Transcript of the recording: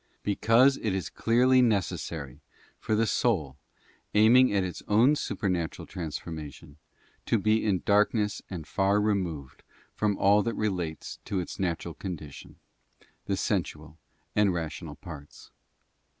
Because it is clearly necessary for the soul, aiming at its own supernatural transformation, to be in darkness and far removed from all that relates to its natural condition, the sensual and rational parts.